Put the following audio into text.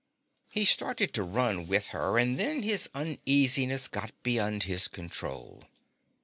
He started to run with her and then his uneasiness got beyond his control.